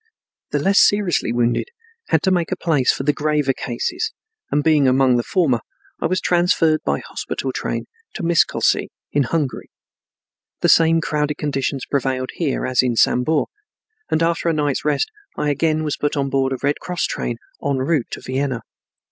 The less seriously wounded had to make place for the graver cases, and being among the former, I was transferred by hospital train to Miscolcy in Hungary. The same crowded conditions prevailed here as in Sambor, and after a night's rest I again was put on board a Red Cross train en route to Vienna.